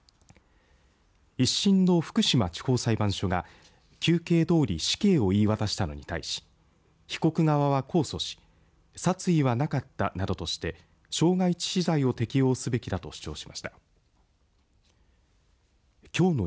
一審の福島地方裁判所が求刑どおり死刑を言い渡したのに対し被告側は控訴し殺意はなかったなどとして傷害致死罪を適用すべきだと主張しました。